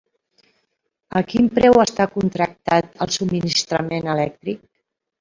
A quin preu està contractat el subministrament elèctric?